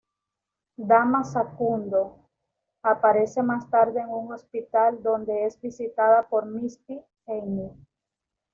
Dama Zancudo aparece más tarde en un hospital donde es visitada por Misty Knight.